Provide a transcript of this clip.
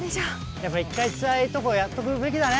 やっぱ１回つらいとこやっとくべきだね